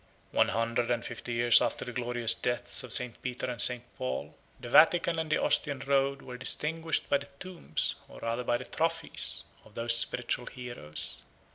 One hundred and fifty years after the glorious deaths of St. Peter and St. Paul, the Vatican and the Ostian road were distinguished by the tombs, or rather by the trophies, of those spiritual heroes.